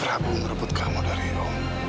aku merebut kamu dari aku